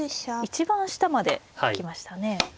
一番下まで引きましたね。